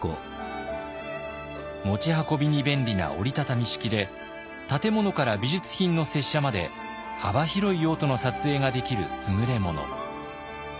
持ち運びに便利な折り畳み式で建物から美術品の接写まで幅広い用途の撮影ができる優れ物。